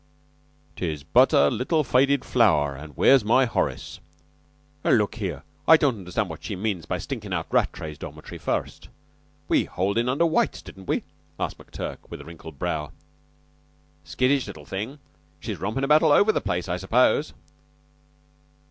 "'Tis but a little faded flower.' Where's my Horace? Look here, I don't understand what she means by stinkin' out Rattray's dormitory first. We holed in under White's, didn't we?" asked McTurk, with a wrinkled brow. "Skittish little thing. She's rompin' about all over the place, I suppose."